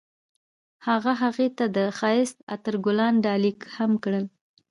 هغه هغې ته د ښایسته عطر ګلان ډالۍ هم کړل.